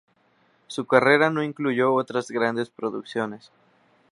Su carrera no incluyó otras grandes producciones.